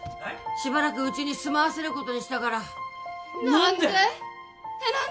しばらくうちに住まわせることにしたから何で！？何で！？